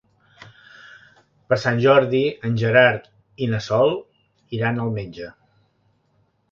Per Sant Jordi en Gerard i na Sol iran al metge.